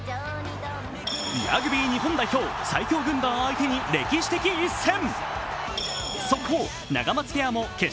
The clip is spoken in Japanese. ラグビー日本代表、最強軍団相手に歴史的一戦。